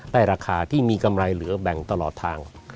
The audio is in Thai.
ราคาที่มีกำไรเหลือแบ่งตลอดทาง